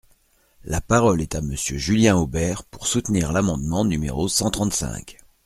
La parole est à Monsieur Julien Aubert, pour soutenir l’amendement numéro cent trente-cinq.